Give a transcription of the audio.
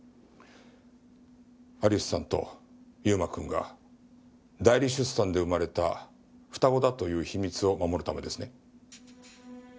アリスさんと優馬くんが代理出産で生まれた双子だという秘密を守るためですね。